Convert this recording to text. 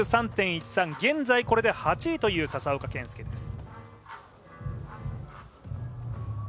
現在これで８位という笹岡建介です